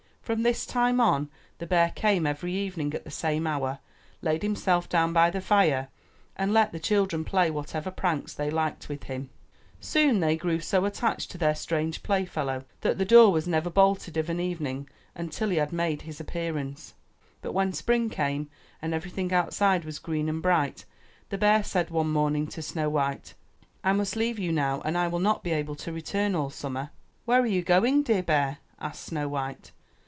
From this time on, the bear came every evening at the same hour, laid himself down by the fire and let the children play whatever pranks they liked with him. Soon 38 UP ONE PAIR OF STAIRS they grew so attached to their strange playfellow that the door was never bolted of an evening until he had made his appearance. But when spring came and everything outside was green and bright, the bear said one morning to Snow white, ''I must leave you now and I will not be able to return all summer/' ''Where are you going, dear bear?'' asked Snow white.